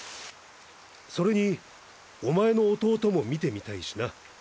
それにお前の弟も見てみたいしな。